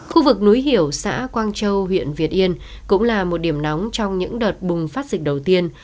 khu vực núi hiểu xã quang châu huyện việt yên cũng là một điểm nóng trong những đợt bùng phát dịch đầu tiên